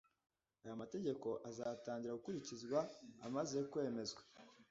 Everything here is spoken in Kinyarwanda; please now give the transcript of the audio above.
aya mategeko azatangira gukurikizwa amaze kwemezwa